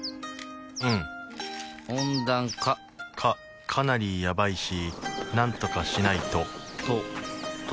うん温暖化かかなりやばいしなんとかしないとと解けちゃうね